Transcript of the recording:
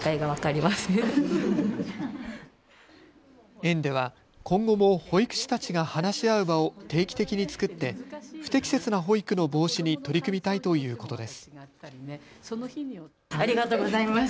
園では今後も保育士たちが話し合う場を定期的に作って不適切な保育の防止に取り組みたいということです。